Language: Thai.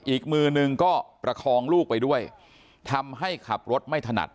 อีกมือนึงก็ประคองลูกไปด้วยทำให้ขับรถไม่ถนัด